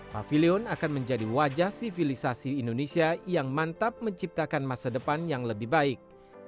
pavilion akan menjadi wajah sivilisasi indonesia yang mantap menciptakan masa depan yang lebih baik